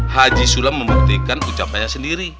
haji sulam membuktikan ucapannya sendiri